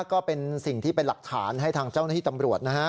ก็เป็นสิ่งที่เป็นหลักฐานให้ทางเจ้าหน้าที่ตำรวจนะฮะ